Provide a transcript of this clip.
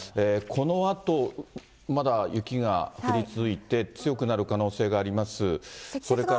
このあとまだ雪が降り続いて、強くなる可能性があります。